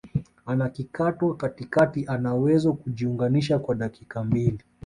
anakikatwa katikati anawezo kujiunganisha kwa dakika mbili